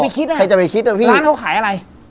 ใครจะไปคิดเนี่ยร้านเขาขายอะไร